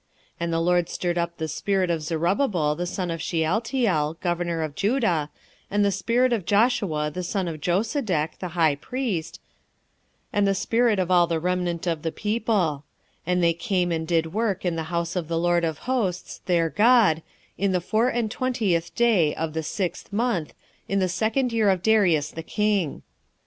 1:14 And the LORD stirred up the spirit of Zerubbabel the son of Shealtiel, governor of Judah, and the spirit of Joshua the son of Josedech, the high priest, and the spirit of all the remnant of the people; and they came and did work in the house of the LORD of hosts, their God, 1:15 In the four and twentieth day of the sixth month, in the second year of Darius the king.